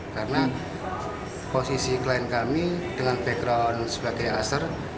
karena posisi klien kami dengan background sebagai aser